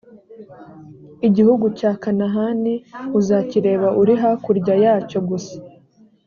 igihugu cya kanahani uzakireba uri hakurya yacyo gusa,